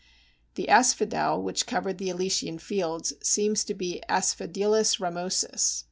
The Asphodel which covered the Elysian fields seems to be Asphodelus ramosus.